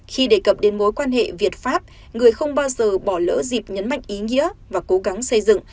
khi đề cập đến mối quan hệ việt pháp người không bao giờ bỏ lỡ dịp nhấn mạnh ý nghĩa và cố gắng xây dựng